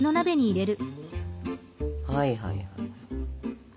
はい。